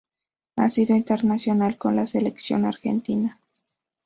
Ha sido internacional con la Selección Argentina.